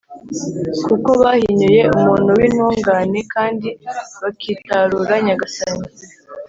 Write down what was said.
kuko bahinyuye umuntu w’intungane kandi bakitarura Nyagasani.